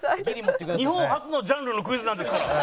日本初のジャンルのクイズなんですから！